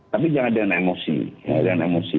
tapi jangan dengan emosi